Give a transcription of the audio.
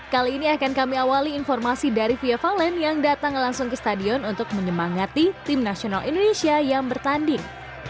kali ini akan kami awali informasi dari fia valen yang datang langsung ke stadion untuk menyemangati tim nasional indonesia yang bertanding